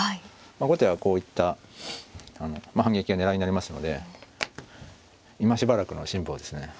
後手はこういった反撃が狙いになりますので今しばらくの辛抱ですね。